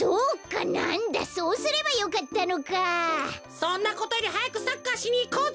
そんなことよりはやくサッカーしにいこうぜ！